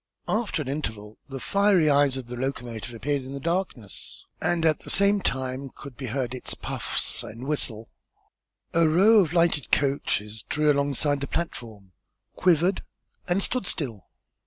After an interval the fiery eyes of the locomotive appeared in the darkness, and at the same time could be heard its puffs and whistle. A row of lighted coaches drew alongside the platform, quivered, and stood still.